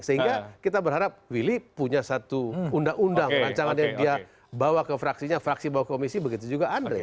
sehingga kita berharap willy punya satu undang undang rancangan yang dia bawa ke fraksinya fraksi bawa komisi begitu juga andre